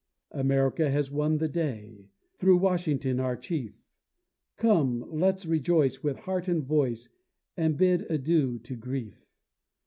America has won the day, Through Washington, our chief; Come let's rejoice with heart and voice, And bid adieu to grief.